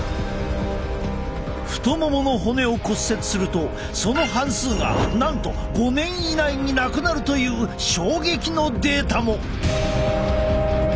太ももの骨を骨折するとその半数がなんと５年以内に亡くなるという衝撃のデータも！